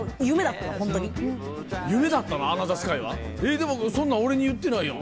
でもそんなん俺に言ってないやん。